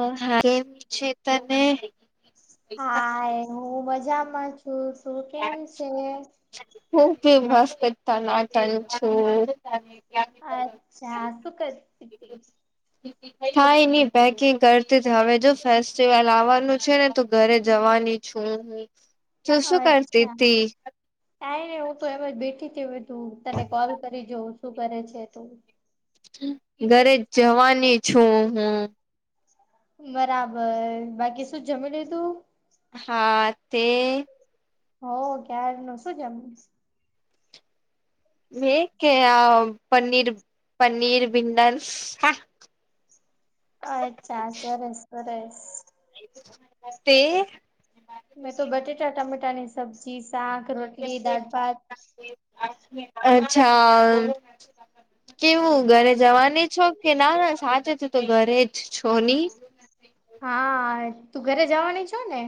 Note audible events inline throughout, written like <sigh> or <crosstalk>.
અ હા કેવી છે, તને હા હું મજામાં છું તુ કેમ છે? <unintelligible> ખીભાસ કરતા નાટન છું અચ્છા શું કરતીતી. <inaudible> થાય ની પેકિંગ કરતી જ હવે જો ફેસ્ટિવલ આવવાનું છે, ને તો ઘરે જવાની છું શું શું કર હા. કાઈ નઈ હું તો એમજ બેઠી હતી તું તને કોલ કરી જો શું કરે છે તું ઘરે જવાની છું હું બરાબર બાકી શું જમી લીધું હા તે હઓ ક્યારનું શું જમી મે કે પનીર પનીર ભિંડલાસ હા અછા સરસ સરસ તે મેં તો બટેટા ટમેટાની સબ્જી શાક રોટલી દાળ ભાત અચ્છા હા કે હું ઘરે જવાની છું કે ના ના સાચ તો ઘરે જ છો ની હા તું ઘરે જવાની છો ને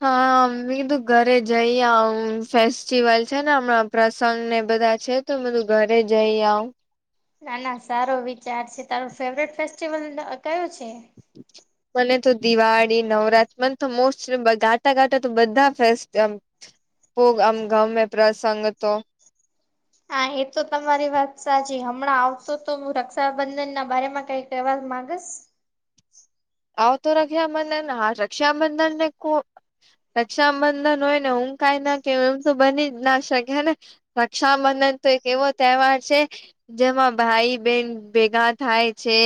હા અ્મી તો ઘરે જઈ આ ફેસ્ટિવલ છે ને હમણાં પ્રસંગ ને બધા છે. તમે તો ઘરે જઈ આઉ ના ના સારો વિચાર છે તારું ફેવરેટ ફેસ્ટિવલ કયું છે. <unintelligible> મને તો દિવાળી નવરાત્ર મને તો મોસ્ટ ગાટા ગાટા તો બધા ફેસ ખૂબ આમ ગમે પ્રસંગ તો હા એ તો તમારી વાત સાચી હમણાં આવતો તો હું રક્ષાબંધન ના બારમાં કઈક તેવા માગસ આવ તો રક્ષાબંધન આ રક્ષાબંધન ને કો રક્ષાબંધન હોય ને હું કાઈ ના કેઉ એમ તો બની જ ના શકેને રક્ષાબંધન તો એક એવો તહેવાર છે જેમાં ભાઈ બેહેન ભેગા થાય છે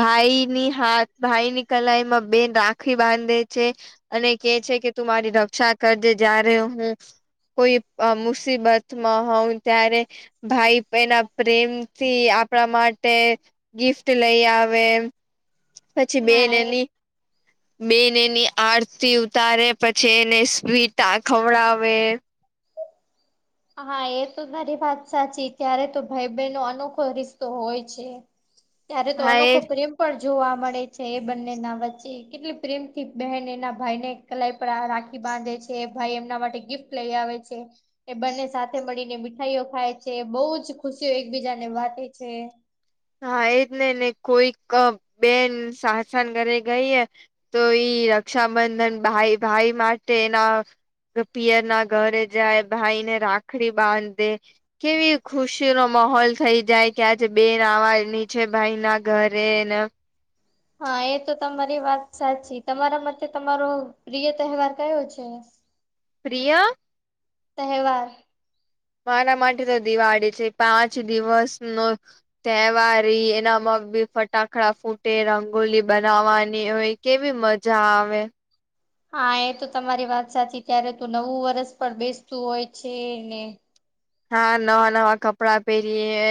ભાઈ ની હાથ ભાઈની કલાઈ માં બેન રાખડી બાંધે છે. અને કે છે કે તું મારી રક્ષા કરજે જ્યારે હું. કોઈ મુસીબતમાં હોઉ ત્યારે ભાઈ એના પ્રેમથી આપણા માટે ગિફ્ટ લઈ આવે પછી હા બેન એ એની બેન એની આરતી ઉતારે પછી એને સ્વીટ આ ખવડાવે હા એ તો મારી વાત સાચી ત્યારે તો ભાઈ બહેન નો અનોખો રિસ્તો હોય છે. <inaudible> ત્યારે તો એ અનોખો પ્રયોગ પણ જોવા મળે છે એ બંને ના વચ્ચે કેટલી પ્રેમ થી બહેન એ ના ભાઈ ને કલાઈ પર રાખી બાંધે છે ભાઈ એમના માટે ગિફ્ટ લઈ આવે છે. એ બંને સાથે મળીને મીઠાઈઓ ખાય છે બહુ જ ખુશીઓ એકબીજાને વાંટે છે. હા એજ નઈ ને કોઈક બેન સાસ ના ઘરે ગઈએ. તો ઈ રક્ષાબંધન ભાઈ ભાઈ માટેના પિયર ના ઘરે જાય ભાઈને રાખડી બાંધે. કેવી ખુશી નો માહોલ થઈ જાય કે આજે બેન આવે નીચે ભાઈ ના ઘરે ન હા એ તો તમારી વાત સાચી તમારા માટે તમારો પ્રિય તહેવાર કયો છે? પ્રિય તહેવાર મારા માટે તો દિવાળી છે પાંચ દિવસ નો તહેવારી એનામાં <unintelligible> ફટાકડા ફૂટે રંગોલી બનાવાની હોય કેવી મજા આવે હા એ તો તમારી વાત સાચી ત્યારે તો નવું વરસ પણ બેસતું હોય છે ને હા નવા નવા કપડાં પહેરીએ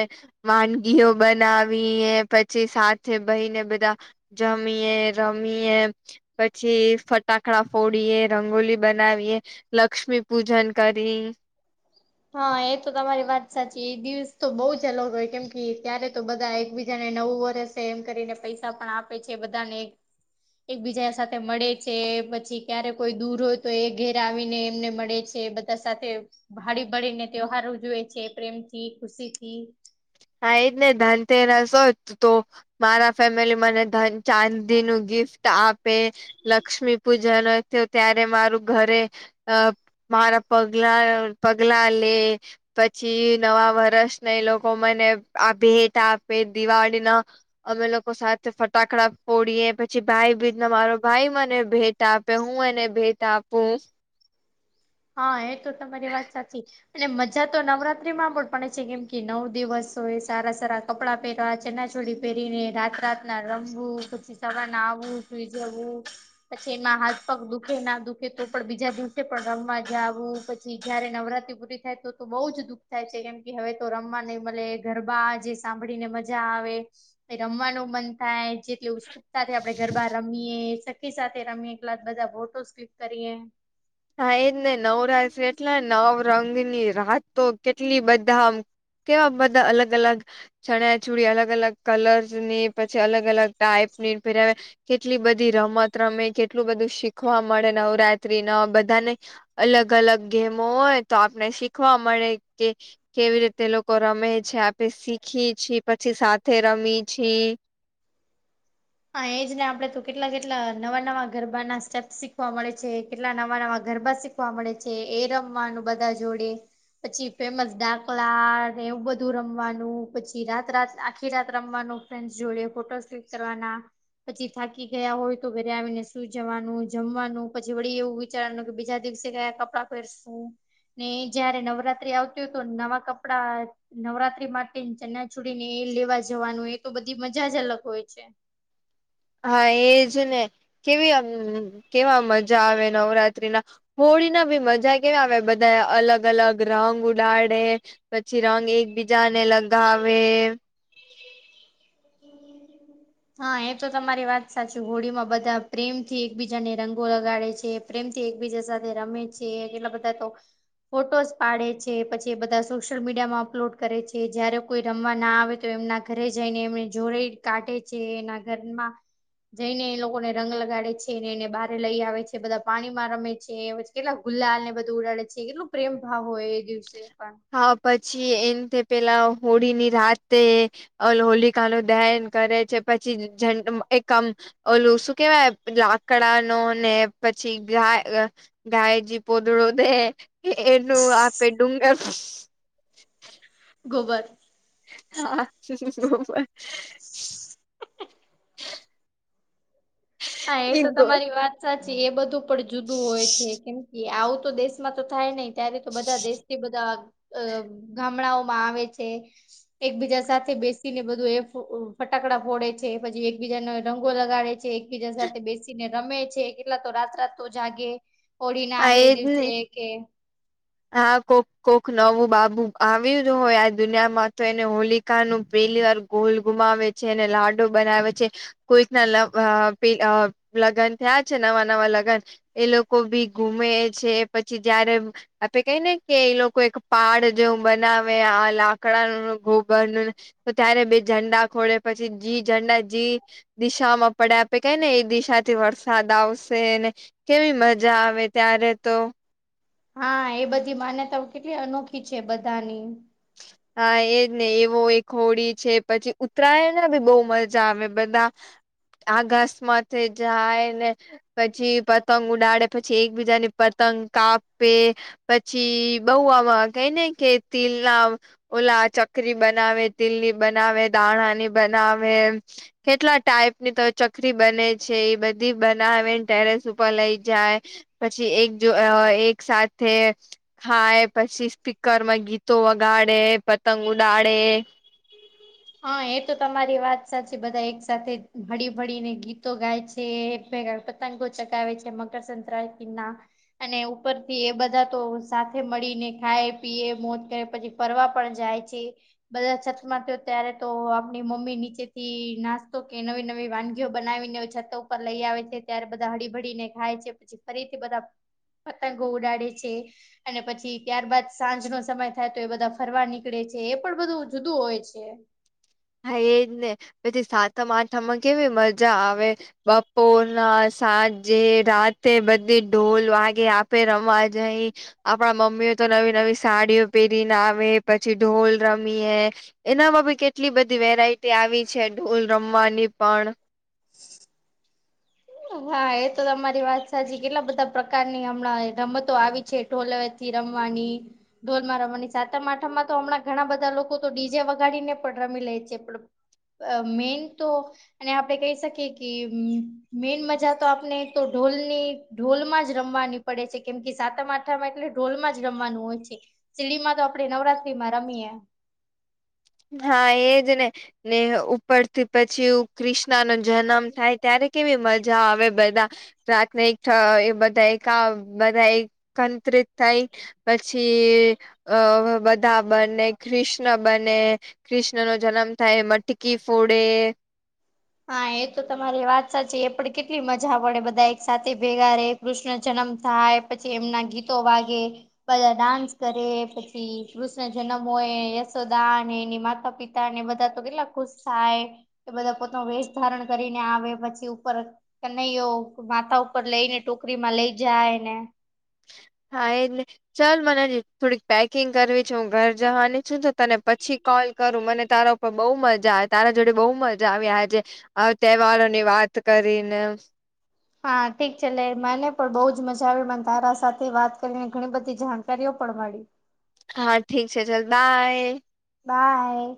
વાનગીઓ બનાવીએ પછી સાથે ભાઈ ને બધા જમીએ રમીએ પછી ફટાકડા ફોડીએે રંગોલી બનાવીએ લક્ષ્મી પૂજન કરી હા એ તો તમારી વાત સાચી એ દિવસ તો બહુ જ અલગ કેમ કે ત્યારે તો બધા એકબીજાને નવું વર્ષ તો એમ કરીને પૈસા પણ આપે છે બધાને એકબીજા સાથે મળે છે પછી ક્યારે કોઈ દૂર હોય તો એ ઘેર આવીને એમને મળે છે. સાથે ભાડી ભળીને તહેવાર ઉજવે છે પ્રેમ થી ખુશીથી હા એજ ને ધનતેરસ હોથ તો મારા ફેમિલી મને ધન ચાંદી નું ગિફ્ટ આપે લક્ષ્મી પૂજા <unintelligible> તો ત્યારે મારું ઘરે અ મારા પગલા પગલા લે પછી નવા વર્ષને એ લોકો મને આ ભેટ આપે દિવાળી નો અમે લોકો સાથે ફટાકડા ફડીએ પછી ભાઈ ભીજ ના મારો ભાઈ મને ભે આપે હું અને ભેટ આપું. હા એ તો તમારી વાત સાચી છે. અને મજા તો નવરાત્રી માં પણ પડે છે કેમ કે નવ દિવસ હોય સારા સારા કપડાં પહેરવા ચનિયાચોલી પહેરીને રાત રાત ના રમવું પછી સવારના આવું સુઈ જવું પછી એમાં હાથ પગ દુખે ના દુખે તો પણ બીજા દિવસે પણ રમવા આવું પછી જયારે નવરાત્રી પૂરી થાય તો તો બહુ જ દુઃખ થાય છે કેમ કે હવે તો રમવા નહીં મળે ગરબા જે સાંભળીને મજા આવે રમવાનું મન થાય જેટલી <unintelligible> સાથે આપડે ગરબા રમીએ સખી સાથે રમીએ એટલા બધા ઝાઝી ફોટો સ્કીપ કરીએ હા એજ ને નવરાત્રી એટલા નવરંગની રાત તો કેટલી બધા આમ કેવા બધા અલગ અલગ ચણિયાચોડી અલગ અલગ કલર્સ ની પછી અલગ અલગ ટાઈપ ની પહેરાવે કેટલી બધી રમત રમે કેટલું બધું શીખવા મળે નવરાત્રી નો બઘ બધાને અલગ અલગ ગેમો હોય તો આપણે મળે કે કેવી રીતે લોકો રમે છે આપે શીખીએ છીએ પછી સાથે રમીએ છીએ હ એજને આપડે તો કેટલા કેટલા નવા નવા ગરબા ના સ્ટેપ્સ શીખવા મળે છે કેટલા નવા નવા ગરબા શીખ વા મળે છે એ રમવાનું બધા જોડે પછી ફેમસ ડાકલા ને એવું બધું રમવાનું પછી રાત રાત આખી રાત રમવાનું ફ્રેન્ડસ જોડે ફોટો ક્લિક કરવાના પછી થાકી ગયા હોય તો ઘરે આવીને સુૂઈ જવાનું જમવાનું પછી વળી એવું વિચારવા નું કે બીજા દિવસે કયા કપડાં પહેરશું. ને જયારે નવરાત્રી આવતી હોત તો નવા કપડા નવરાત્રી માટેને ચણિયા ચોલી ને એ લેવા જવાનું એ તો બધી મજાજ અલગ હોય છે. હા એજ ને કેવી આમ કેવા મજા આવે નવરાત્રી માં. હોળી ના બી મજા કેવા આવે બધા અલગ અલગ રંગ ઉડાડે પછી રંગ એકબીજાને લગાવે. હમ્મ. હા એ તો તમારી વાત સાચી હોળીમાં બધા પ્રેમ થી એકબીજાને રંગો લગાડે છે. પ્રેમથી એકબીજા સાથે રમે છે, કેટલા બધા તો ફોટોસ પાડે છે, પછી એ બધા સોશિયલ મીડિયામાં અપલોડ કરે છે, જયારે કોઈ રમવા ના આવે તો એમના ઘરે જઈને એમને જોળે કાઢે છે, એના ઘરમાં જઈને એ લોકોને રંગ લગાડે છે, ને એને બારે લઈ આવે છે, બધા પાણીમાં રમે છે, પછી કેટલા ગુલ્લાલ ને બધું ઉડાળે છે કેટલું પ્રેમ ભાવ હોય. એ દિવસે હા પછી એમ તે પેલા હોળીની રાતે અ હોલિકા નુ દહન કરે છે પછી જ એક આમ ઓલું શું કેવાય લાકડાનો ને પછી ગાય ગાય જી પોદડો દે એનું આપે ડુંગર ગોબર હા શું ગોબર <inaudible> હા એ તો એજ તમારી વાત સાચી એ બધું પણ જુદું હોય છે, કેમ કે આવું તો દેશ એમાં તો થાય નહી ત્યારે તો બધા દેશથી બધા અ ગામડાઓમાં આવે છે. એકબીજા સાથે બેસીને બધું એ ફટાકડા ફોડે છે, પછી એકબીજાનો રંગો લગાડે છે. એક બીજા સાથે બેસીને રમે છે કેટલા તો રાત રાત તો જાગે હોળી ના આગલે ને દિવસે કે હા કોક કોક નવું બાબુ આવ્યું જ હોય આ દુનિયામાં તો એને હોલી કા નું પહેલી વાર ગોલ ઘુમાવે છે અને લાડો બનાવે છે. કોઈક ના લગ અ પેલ અ લગન થયા છે નવા નવા લગન એ લોકો ભી ઘુમે છે પછી જયારે આપે કઈ ને કે એ લોકો એક પાડ જેવું બનાવે આ લાકડાનું ગોબરનું તો ત્યારે બે ઝંડા ખોડે પછી જી ઝંડા જી દિશામાં પડે આપે કઈ ને એ દિશાથી વરસાદ આવશે ને કેવી મજા આવે ત્યારે તો હા એ બધી માન્યતાઓ કેટલી અનોખી છે બધાની હા એજ ને એવો એ હોડી છે પછી ઉત્તરાયણમાં બી બહુ મજા આવે બધા આ ઘાસમાંથી જાય ને પછી પતંગ ઉડાડે પછી એકબીજાની પતંગ કાપે. પછી બઉ આવા કઈ ને કે તિલ લાવ ઓલા ચકરી બનાવે તિલલી બનાવે દાણાની બનાવે કેટલા ટાઈપની તો ચકરી બને છે એ બધી બનાવેને ટેરેસ ઉપર લઇ જાય. પછી એક જો એક સાથે ખાય પછી સ્પીકરમાં ગીત તો વગાડે પતંગ ઉડાડે હા એ તો તમારી વાત સાચી બધા એક સાથે હળી ભળીને ગીતો ગાય છે ભેગા પતંગો ચગાવે છે મકરસક્રાંતિ ના અને ઉપર થી એ બધા તો સાથે મળીને ખાય પીએ મોજ કરે પછી ફરવા પણ જાય છે, બધા છત માં ત્યારે તો આપણી મમ્મી નીચે થી નાસ્તો કે નવી નવી વાનગીઓ બનાવીને છતો ઉપર લઈ આવે છે ત્યારે બધા હળી ભળીને ખાય છે, પછી ફરીથી બધા પતંગો ઉડાડે છે. અને પછી ત્યારબાદ સાંજ નો સમય થાય તો એ બધા ફરવા નીકળે છે એ પણ બધું જુદું હોય છે. હા એજ ને પછી સાતમ આઠમાં કેવી મજા આવે બપોર ના સાંજે રાતે બધી ઢોલ વાગે આપે રમવા જઈ આપણા મમ્મીઓ તો નવી નવી સાડીઓ પહેરીને આવે પછી ઢોલ રમીએ એનામાં બી કેટલી બધી વેરાયટી આવી છે ઢોલ રમવાની પણ <inaudible> હા, એ તો તમારી વાત સાચી કેટલા બધા પ્રકારની હમણાં રમતો આવી છે, ઢોલવેથી રમવાની ઢોલમાં રમવાની. સાતમ-આઠમમાં તો હમણાં ઘણા બધા લોકો તો ડીજે વગાડીને પણ રમી લે છે <unintelligible> અ મેઈન તો અને આપડે કહી શકીએ કે મેઈન મજા તો આપને તો ઢોલની ઢોલમાં જ રમવાની પડે છે કેમ કે સાતમ-આઠમાં એટલે ઢોલમાં જ રમવાનું હોય છે <unintelligible> ડીજેમાં તો આપડે નવરાતત્રીમાં રમીએ. હા એજ ને ને ઉપરથી પછી ક્રિષ્નાનો જનમ થાય ત્યારે કેવી મજા આવે બધા રાતને એકઠ એ બધા એકાવ બધા એકંત્રિત થાય પછી અ બધા બને ક્રિષ્ન બને, ક્રિષ્નનો જનમ થાય એ મટકી ફોડે. હા, એ તો તમારી વાત સાચી એ પડ કેટલી મજા પડે બધા એક સાથે ભેગા રે, કૃષ્ન જનમ થાય પછી એમના ગીતો વાગે. પાછા ડાન્સ કરે પછી કૃષ્ણ જનમ હોય યશોદા ને એની માતા-પિ તાને બધા તો કેટલા ખુશ થાય કે બધા પોતાનો વેશ ધારણ કરીને આવે પછી ઉપર કનૈયો માથા ઉપર લઈને ટોકરીમાં લઈ જાય ને. હા, એજ ને ચલ મને હજી થોડીક પેકિંગ કરવી છે, હું ઘર જવાની છું તો તને પછી કોલ કરું મને તારા <unintelligible> બઉ મજા આ, તારા જોડે બઉ મજા આવી આજે આ તહેવારોની વાત કરીને. હા, ઠીક છે લે મને પણ બહુ જ મજા આવી મને તારા સાથે વાત કરીને ઘણી બધી જાણકારીઓ પણ મળી. હા, ઠીક છે ચલ બાય. બાય.